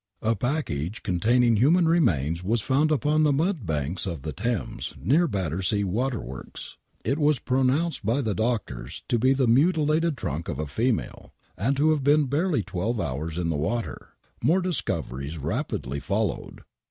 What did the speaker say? A package containing human remains was found upon the mud banks of the Thames near Battersea Waterworks. It was pronounced by the doctors to be the mutilated trunk of a female, and to have been barely twelve hours in the water I More discoveries rapidly followed